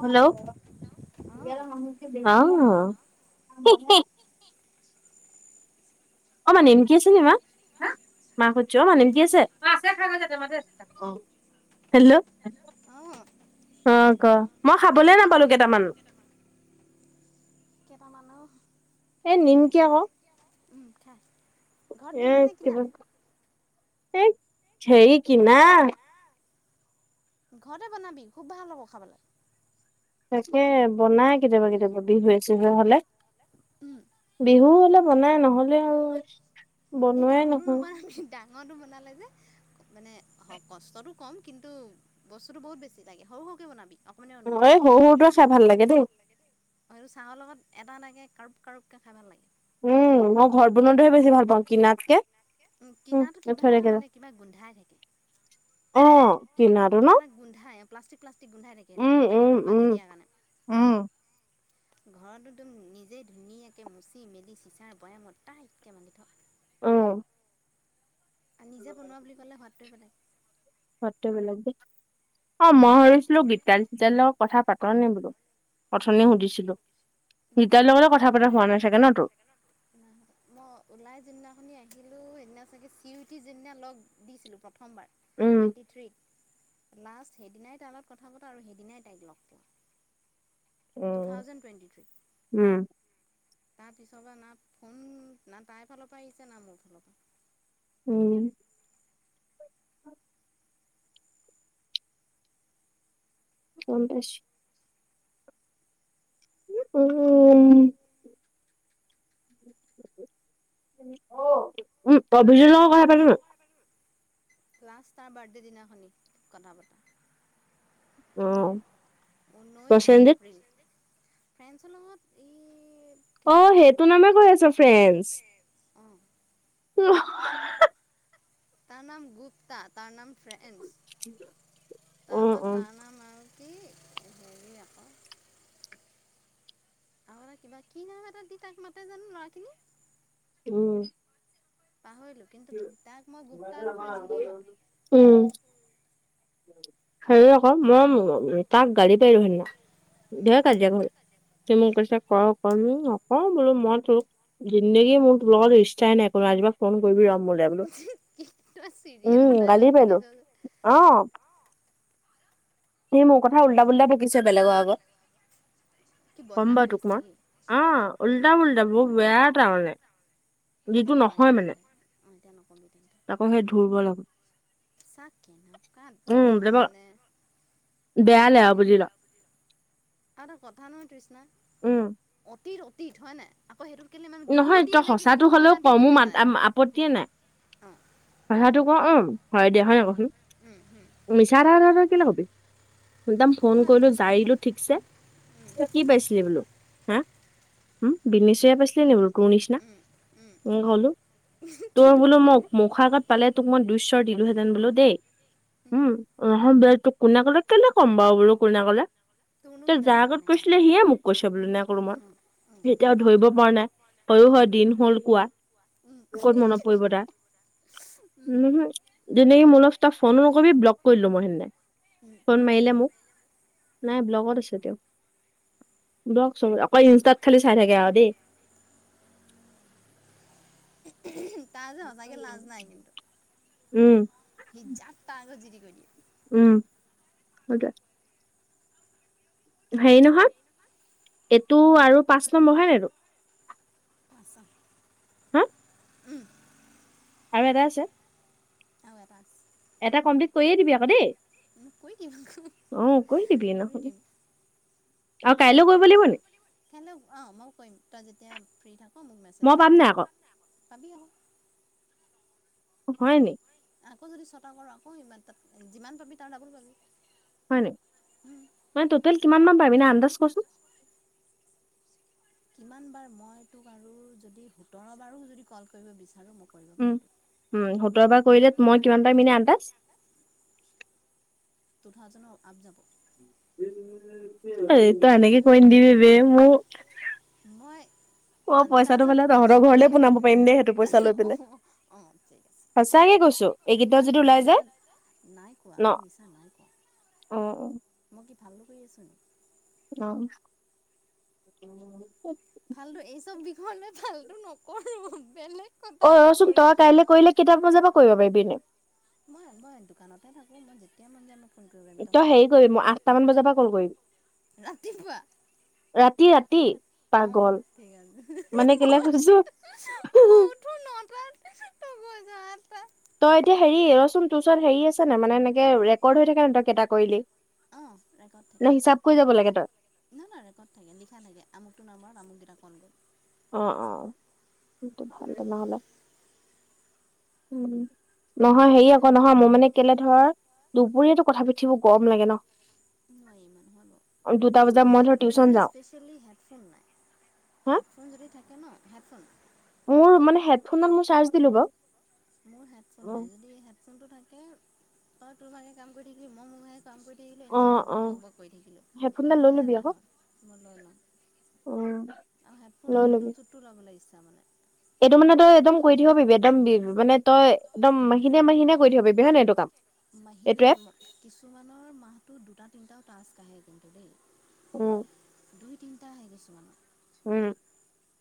Hello অঁ আহ অ মা নেমকি আছে নি মা মা সুদিছো অ মা নিমকি আছে অ হেল্ল' অঁ অ ক মই খাবলৈ নিমকি নাপালোঁ খাবি কেইটামান কেইটামানো এ খাই নিমকি লেই আকৌ উম খাই ঘৰত বনোৱা নে কিনা এই টেই কিনা ঘৰতে বনাবি খুব ভাল হ'ব খাবলৈ। তাকে বনাই কেতিয়াবা কেতিয়াবা বিহুৱে চিহুৱে হলে। [inaudible] বিহু হ'লে বনাই। নহ'লে আৰু সেই বনোৱাই ডাঙৰটো নহয় নবনাবি। দা টো বনালে যে মানে কষ্টতটো কম, কিন্তু বস্তুতটো বহুত বেছি লাগে। সৰু সৰু বনাবি অকমানি এই সৰু সৰুটোৱে খাই ভাল লাগে দেই এটো চাহৰ লগত এটা কাৰোব কাৰোবকে খাই ভাল লাগে। উম মই ঘৰত বনোটোহে বেছি ভাল পাওঁ কিনাতকে। উ উম কিনাটো কিবা থৈ দে কেইটা মানে কিবা গোন্ধাই থাকে। অ কিনাটো ন কিবা এটা গোন্ধাই প্লাষ্টিক প্লাষ্টিক গোন্ধাই থাকে সেই উম উম পেকেটত বান্ধি উম দিয়াৰ কাৰণে। উম [inaudible] ঘৰতো তম নিজেই ধুনীয়াকে মুচি মেলি চিচাৰ বয়ামত তাইতকৈ মানি থৱ। উম আৰু নিজে বনোৱা বুলি ক'লে শুৱাতটোৱে বেলেগ। হোৱাততোৱেই বেলেগ দেই অ মই ভছিলো গীতালি চিতালি লগত কথা পাত নে বোলো? অথনি নাপালোঁ মই সুধিছিলো। নাপালোঁ গীতালি নাই লগতে কথা পতা হোৱা না চাগে ন তোৰ? দিলো সেইদিনা চাগে চিটি যেদিনা লগ দিছিলো। প্ৰথমবাৰ উম টুৱেণ্টি থ্ৰীত। লাষ্ট সেইদিনাই তাই লগত কথা পতা আৰু সেইদিনাই তাইক লগ পোৱা। উ টু থাউজেণ্ড টুৱেণ্টি থ্ৰী উম তাৰ পিছৰ বা না ফোন, না তাইৰ ফালৰ পৰা আহিছে, না মোৰ ফালৰ পৰা। উম! গ'ম পাইছোঁ। উম! উম, অভিজিত লগত কথা পাতিলি? লাষ্ট তাৰ বাৰ্থডে দিনাখনি কথা পতা। অ'! ঊনৈশ প্ৰসেনজিত এপ্ৰিল, ফ্ৰেন্সৰ লগত ই অ'! সেইটো নামে কৈ আছ, ফ্ৰেন্স। অঁ তাৰ নাম গুপ্তা, তাৰ নাম ফ্ৰেন্স, অ তাৰপা অ তাৰ নাম আৰু কি হেৰি আকৌ আৰু কিবা, কি নাম এটা দি তাক মাতে জানোঁ লৰাখিনিয়ে! উম! পাহৰিলোঁ। কিন্তু, তাক মই গুপ্তা আৰু ফ্ৰেন্সবোলিয়েই মাতো। সই আকৌ, মই তাক গালি পাৰিলোঁ সেইদিনা। ধেৰ কাজিয়া কৰি, তুমি মোক কৈছে কৰ কৰ অ'! বোলো মই তোক, জিন্দেগি মোৰ তোৰ লগত ৰিস্তাই নাই কোনো। আজিৰ পৰা ফোন কৰিবি ৰ' মোলে বোলো [unintelligible] চিৰিয়েল উম গালি ডাইলক দি দিছ পাৰিলো যে? এই মোৰ কথা উল্টা, পোল্টা বকিছে বেলেগৰ কি আগত। কম বদনাম বাৰু তোক কৰিছে মই। নেকি অ'! উল্টা পুল্টা বৰ বেয়া তাৰমানে! যিটো এতিয়া নালাগে নহয় মানে তেন্তে। অ'! এতিয়া নক'বি। তাকো সেই ধুৰ্বল আকৌ চা, কেনকা ধৰনৰ মানে। দেয়া লে আও বুজিল! আৰু এটা কথা নহয় তৃষ্ণা, উম অতীত অতীত হয় নাই? আকৌ সেইটোত কেলে ইমান গু নহয়। দি তই এনেকে সঁচাটো গু হ'লেও সনা ক'! দি মোৰ কেলে মাত মানে আপত্তিয়ে নাই। অঁ কথাটো ক'? অ'! হয় দিয়া। হয় নাই কচোন! মিছা এটা ধৰণৰ কেলৈ ক'বি? একদম ফোন কৰিলোঁ, জাৰিলোঁ ঠিকছে। কি পাইছিলি বোলো? হা উ বিদনেচৰয়া পাইছিলে ন বাৰু কোৰ নিচিনা উ হলো। তোৰ তোমাৰ বোলো নিচিনা মোক মুখাৰ আগত পালে তোক মই দুশ্বৰ দিলোহেঁতেন বোলো দেই। উম ব কোনে ক'লে কেলে ক'ম বাৰু বোলু কোনে ক'লে। তোৰনো ত কি যাৰ দৰকাৰ আগত কোনে ক'লে কৈছিলে সিয়ে মোক কৈছে বুলি নাই কলো মই অ অ অ এতিয়াও ধৰিব পৰা নাই। হয়য়ো হয় দিন হ'ল কোৱা উম ক'ত মনত পৰিব তাৰ। ওহোঁ! যেনেকে মোৰলপ ফোনো নকৰিবি ব্লক কৰি দিলোঁ মই সেইদিন। ফোন মাৰিলে মোক নাই, ব্লকত আছে তেওঁক। দিয়ক চবে। অ'কল ইনষ্টাত খালি চাই থাকে আৰু দেই। তাৰ যে সঁচাকৈ লাজ নাই কিন্তু। উম! সি যাৰ তাৰ আগত যি টি কৈড দিয়ে। উম, সইটোৱে। হেৰি নহয়! এইটো আৰু পাঁচ নম্বৰ হয় নাই তোৰ? [unintelligible] হোঁম! উম! আৰু এটা আছে। আৰু এটা আছে। এটা কমপ্লিট কৰিয়ে দিবি আকৌ দেই? মোক কৈ দিম আকৌ অ'! কৰি দিবি, ন'হলে আৰু কাইলৈ কৰিব লাগিব নি? [unintelligible] অ'! মই কৰিম, তই যেতিয়া ফ্ৰী থাক। অ'! মোক মেছেজ মই পাম দিবি! নাই আকৌ পাবি আ'ক। হয় নি? আকৌ যদি ছটা কৰো আকৌমান ত যিমান পাবি তাৰ ডাবুল পাবি। হয় নি? মানে টোটেল কিমান মান পাবিনা আন্দাজ কচোন। কিমান বাৰ মই তোক আৰু যদি সোতৰ বাৰো যদি কল কৰিব বিচাৰো মোক উ উম সোতৰবাৰ কৰিলে মই কিমানটাৰ এনেই আন্তাজ। টু থাউজেডৰ আপ যাব। এইটো আনেকে কৈ নিদিবি বে, মোৰ মই অ পইচাটো আন্তাজত পালে তহঁতৰ কৈছো ঘৰলে দেই, পোনাব পাৰিম দেই সেইটো পইচা লৈ অ পিনে। আহ ঠিক আছে। সঁচাকে কৈছো এই অঁ গেইটাও মই যদি ওলাই মিছা যায়। নাই কোৱা মই মিছা নাই কোৱা। আহ অ। ভালদ কৰি আছোঁ নেকি? অ। [unintelligible] ফালটো? এই চব বিষয় ম ফালটো নকৰো বেলেগ। অ কথালৈ ৰচোন তই কৰিম কাইলৈ কৰিলে কেইটা বজাৰ পৰা কৰিব পাৰিবি এনেই? এতি মানে তই হেৰি কৰিমই আঠটাামান বজাৰ পৰা কল কৰিবি। ৰাতিপুৱা ৰাতি ৰাতি। অঁ পাগল অঁ ঠিক মানে আছে কেলে কছো। মই মই [unintelligible] উঠো নটাত তই শুই যাৱ আঠটাত তই এতিয়া হেৰি ৰচোন তোৰচোন হেৰি আছে নাই? মানে এনেকে ৰেকৰ্ড হৈ থাকে ন তই কেইটা কৰিলি। ন হিচাপকৈ যাব লাগে? তই নাই নাই ৰেকৰ্ড থাকে লিখা থাকে আমুকটো নমাৰ আমুকেইটাক অ অ সটো ভাল তে নহলে উম। নহয় হেৰি আকৌ নহয় মোৰ মানে কেলে ধৰ, দুপৰীয়াটো কথা পাতি থাকিব গৰম লাগে ন। নই ইমানহয় দুটা বাৰু আৰু বজাত মই হে ধৰ মোৰ টিউচন যে যাওঁ স্পেচিয়েলি হেডফোন নাই। হা হেডফোন যদি থাকে ন হেডফোন। মোৰ মানে হেডফোনত মোৰ চাৰ্জ দিলো বাও। মোৰ হেডফোন নাই, যদি হেডফোন টো থাকে তই তোৰ ভাগে কাম কৰি থাকিবি, মই মোৰ ভাগে কাম কৰি থাকিলোঁ, অ এনেই বক অ বক বক বক কৰি থাকিলো হেডফোনডাল লৈ সুবিধা লবি এটা আকৌ হয়, মই লৈ লওঁ। উম আৰু হেডফোন লৈ মোক লবি ব্লুটুথ টো ল'ব লাগিছিল। এইটো মানে তই একদম কৰি থাকিব পাৰিবি একদম মানে তই একদম সিনে মান সিননে কৰি থাকিব পাৰিবি হয়ে নহ এইটো কাম [unintelligible] মাহিলে এইটো এপ কিছুমানৰ মাহতো দুটা তিনটাও তাজ কাঢ়ে কিন্তু দেই উম। দুই তিনিটা আহি গৈছো মানে। উম।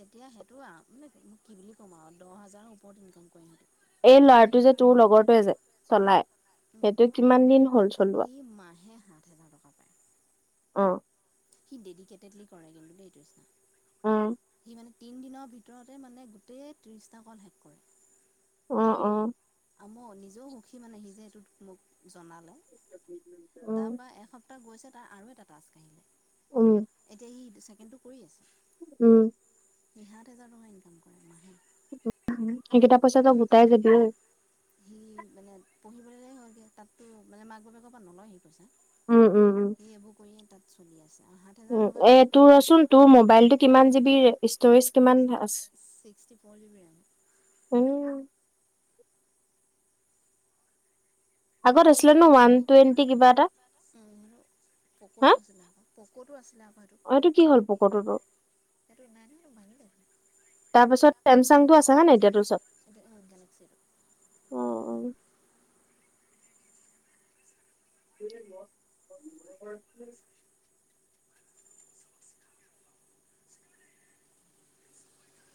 তেতিয়া সেইটো আৰু মানে ম কি বুলি ক'ম আৰু দহ হাজাৰৰ ওপৰত ইনকাম কৰিম। এই লৰাটো যে তোৰ লগৰটোৱে যে চলাই সিহঁতি সেইটো কিমান দিন হ'ল? চলোৱা। হে সাত হেজাৰ টকা পায়। অ। সি ডেডিকেটেডলি কৰে কিন্ত দেই [unintelligible] আহ। সি মানে তিনিদিনৰ ভিতৰতে মানে গোটেই ত্ৰিছটা কল শেষ কৰিম। অ অ। আ মওঁ নিজেও সুখী মানে সিজে সেইটোত মোক জনালে। উম তাৰপৰা এক তাক গৈছে তাৰ আৰু এটা টাস্ক আহিলে। উম এতিয়া সি ছেকেণ্ডটো কৰি আছে। উম। হি সাত হাজাৰ টকা ইনকাম কৰে মাহেকত। সেইকেইটা পইচা ত ই গোটাই যাবি অই সি মানে পঢ়িবলৈ হয়গে তাতো মানে মাক বাপে ক'পা নলয় সি পইচা স উম উম উম এইবোৰ কৰিয়ে তাত চলি আছে আৰু সাত হাজাৰ উম টকা এ তাত তোৰচোন তোৰ মোবাইলটো কিমান জিবি ষ্টৰেজ কিমান আছে ছিক্সটি ফৰ [unintelligible] উম আগত আছিলে ন ওৱান টুৱেণ্টি কিবা এটা উম হা পক'টো আছিলে পক'টো আছিলে আকৌ এইটো কি হ'ল পকৰটো তোৰ এইটো [unintelligible] [unintelligible] [inaudible] তাৰ পাছত ছেমচাংটো আছে হয় নাই এতিয়া তোৰ এইটো গেলেক্সিটো ওচৰত অ অ [unintelligible] [inaudible] [unintelligible] [inaudible]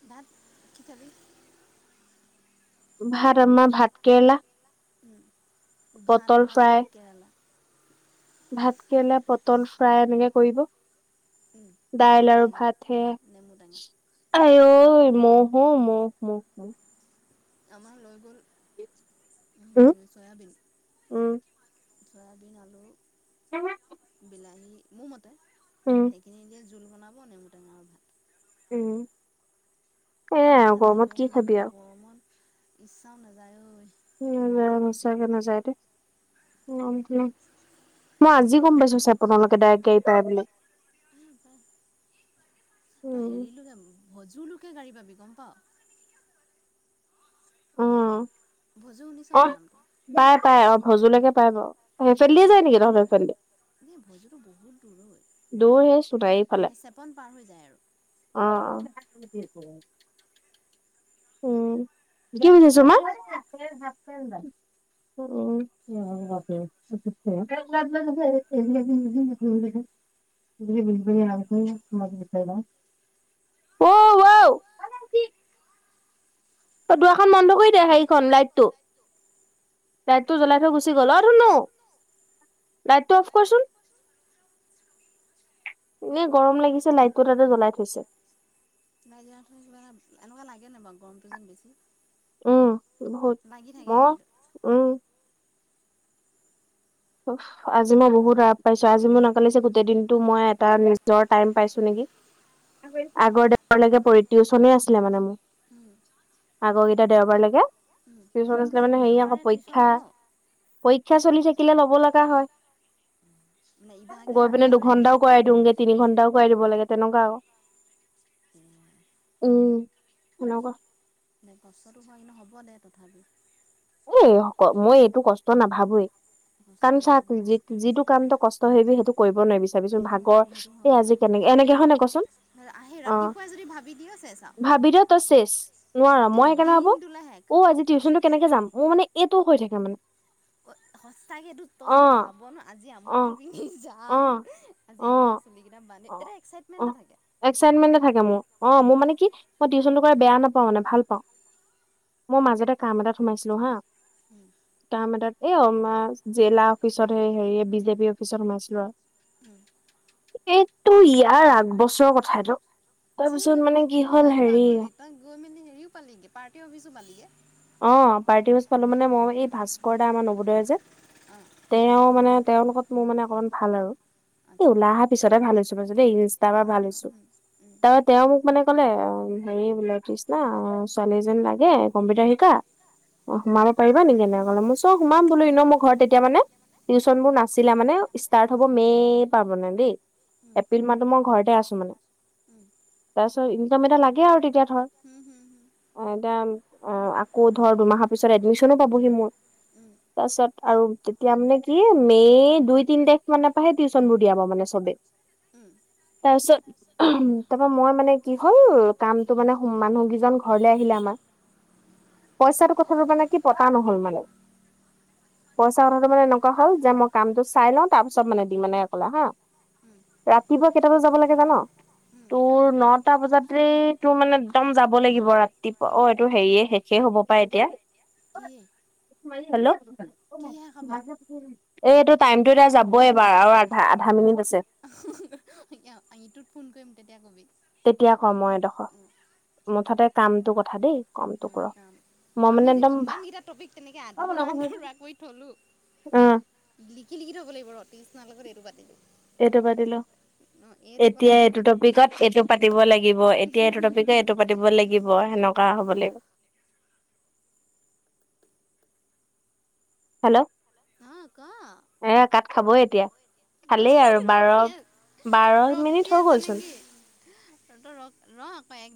ভাত কিখাবি ভাত আমা ভাতকেৰেলা উম ভাত আমাৰ ফ্ৰাই ভাত কেৰেলা প্ৰায় এনেকে কৰিব দাইল আৰু ভাত হে নেমু টেঙা আ ম'হ ম ম [unintelligible] আমাৰ লৈ গ'ল উম। চয়াবিন উম, চয়াবিন আলু বিলাহী মোৰ মতে উম, সেইখিনি দিয়ে জোল বনাব নেমু টেঙা ভাত উম সেয়াই নালব আৰু গৰমত নালাগে অ কি ইমান খাবি আৰু। গৰমত ইচ্ছাও নাযায় ঐ উ বা সচাঁকে নাজাই দেই [unintelligible] মই আজি গম পাইছো চপনলৈকে ডাইৰেক্ট গা়ডী পাই বুলি তই উম, হেৰিলো যানো ভজুলোকে গাড়ী পাবি গম পাওঁ [unintelligible] উম ভজু শুনিছ অ নাই নামটো পাই পাই অ ভজলৈকে পাই বাওঁ সেইফালে দি যায় ভজুলৈকে নেকি তহঁতৰ গাড়ী পায় সেইফালে দি [unintelligible] চেপন পাৰ দূৰ সেই হৈ সোণাৰীৰ ফালে যায় আৰু। অ অ উম কি বিচাৰিছ মা [unintelligible] [unintelligible] [inaudible] ত দুৱাখন বন্ধ কৰি দে হেৰিখন লাইটটো লাইতটো জ্বলাই থৈ গুচি গ'ল অ ধুনো। লাইটটো অফ কৰচোন। এনে গৰম লাগিছে লাইটটো তাতে জ্বলাই থৈছে। লাইটটো জ্বলাই থ'লে কিবা এনেকুৱা লাগে নাই বাৰু গৰমটো যেন বেছি। উম বহুত লাগি থাকে মই কিন্তু উম। আজি মই বহুত ৰাপ পাইছোঁ আজি মোৰ নাপালিছে গোটেই দিনতটো মই এটা নিজৰ টাইম পাইছোঁ নেকি? আগৰ দে লৈকে পৰি টিউচনে আছিলে মানে মোৰ। আগৰকেইটা দেওবাৰলৈকে। টিচন আছিলে মানে হে আকৌ দেওবাৰে টিউশ্যন পৰীক্ষা লওঁ পৰীক্ষা চলি থাগে। থাকিলে ল'ব লগা হয়। মানে ইভাগে গৈ পিনে সপ্তাহটোৰ দুঘন্টাও এদিন কৰাই দিওঁগে তিনি ঘন্টাও কৰাই দিব লাগে। তেনেকুৱা আক উ উম এনেকুৱা। কষ্টটো হয় কিন্তু হ'ব দে তথাপিও। এই মই এইটো কষ্ট নাভাবোয়েই কষ্ট কাৰণ নাভাবোঁ চাওক যিটো কামটো কষ্ট। ত সেইবুলি সেইটো কৰিব নোৱাৰবিচাৰিচোন ভাগৰ নোৱাৰি সেইটো এই হয় আজি হয় কেনেকে এনেকে হয় নে কচোন। আহি অ ৰাতিপুৱাই যদি ভাবি দিয় চেছ আও ভাবি থ তই চেষ নোৱাৰ গোটেই মই সেইকানে ভাবোঁ। দিনটোলৈ শেষ অ আজি টিউচনটো কেনেকে যাম মোৰ মানে এইটোও হৈ থাকে মানে। [unintelligible] সচাকেটো তই অ যদি ভাব ন আজি অ আমুকতটো পিন্ধি অ যাম আজি অ এনেকে চুলি কেইটা মানে এটা এক্সাইটমেণ্ট এটা থাকে। এক্সাইটমেণ্ট থাকে মোৰ অ মোৰ মানে কি? মই টিউশচনটো কৰা বেয়া নাপাওঁ মানে ভাল পাওঁ মই মাজতে কাম এটাত সোমাইছিলোঁ হা কাম এটা। এ আমাৰ জিলা অফিচত হ হেৰি বিজেপি অফিচত সোমাইছিলোঁ আৰু। উম এইটো ইয়াৰ আগবছৰৰ কথাটো তাৰপিছত মানে কি হ'ল হেৰি পাগলী তই গৈ মেলি হেৰিও পালিগে পাৰ্টি অফিচো পালিগে। অ পাৰ্টি অফিচ পালোঁ মানে মই এই ভাস্কৰ দা আমাৰ নৱোদয় যে অঁ তেওঁ মানে তেওঁলোকত মোৰ মানে অকনমান ভাল আৰু এই আচ্ছা ওলাই আহা পিছতে ভাল হৈছোঁ। ইনষ্ট ভাল হৈছোঁ তাৰ তেওঁ মোক মানে কলে অ হেৰি বোলে না ছোৱালী এজন লাগে কম্পিউটাৰ শিক শিকা অ সোমাব পাৰিবা নেকি এনেকলে মই চব সোমাম বোলোঁ ইন মই ঘৰত তেতিয়া মানে টিউচনবোৰ নাছিলে মানে ষ্টাৰ্ট হ'ব মে পা মানে দেই। এপ্ৰিল মাহতো মই ঘৰতে আছোঁ মানে তাৰপিছত ইনকাম এটা লাগে আৰু তেতিয়া ধৰ। অ এতিয়া অ আকৌ ধৰ দুমাহৰ পিছত এডমিচনো পাবহি মোৰ। তাৰপাছত আৰু তেতিয়া মানে কি মে দুই তিন তাৰিখ মানে পাহে টিউশ্যন বোৰ দিয়াবা মানে চবে। উম। তাৰপিছত উ তাৰ পা মই মানে কি হ'ল কামটো মানে মানুহ কেইজন ঘৰলে আহিলে আমাৰ। [inaudible] পইচাটো কথাটোৰ মানে কি পতা নহ'ল মানে। পইচা কথাটো মানে এনেকুৱা হল যে মই কামটো চাই লওঁ তাৰপিছত মানে দি মানে কা হা ৰাতিপুৱা কেইটা বজাত যাব লাগে জান? তোৰ নটা বজাতে তোৰ মানে একদম যাব লাগিব ৰাতিপুৱা অ এইটো হেৰিয়ে হে সে হ'ব পাই এতিয়া কি হেল্ল' কিহে খাব এই এইটো টাইমতটো এতিয়া যাব এবাৰ আৰু আধা আধা মিনিট আছে আঙিটোত ফোন কৰিম তেতিয়া কবি তেতিয়া ক মই এডোখৰ মুঠতে কামটো কথা দেই কমটো কৰ অ', কাৰণ মই আমি মানে যে একদম কিমান কেইটা টপিক তেনেকে আধৰুৱা আধৰুৱা কৰি থলো লিখি লিখি থব লাগিব ৰ অতি সচিৰ লগত এইটো পাতিলো এইটো পাতি ল অ', এইটো কলত এতিয়া এইটো পাতিম টপিকত এইটো পাতিব লাগিব এতিয়া এইটো টপিকত এইটো পাতিব লাগিব সেনেকা হ'ব লাগিব হেল্ল' অ', ক এ কাত খাবই এতিয়া খালেই আৰু ৰি বাৰ বাৰ আছ মিনিট ৰখি হৈ আছ গ'লচোন নেকি ত ৰ ৰ আকৌ এক